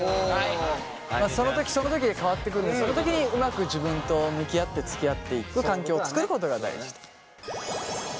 そのときそのときで変わってくるのでそのときにうまく自分と向き合ってつきあっていく環境を作ることが大事。